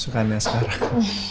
suka nih sekarang